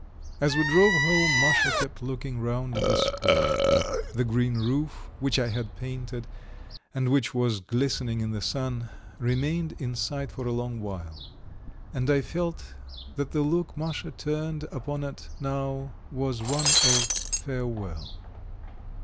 As we drove home Masha kept looking round at the school; the green roof, which I had painted, and which was glistening in the sun, remained in sight for a long while. And I felt that the look Masha turned upon it now was one of farewell.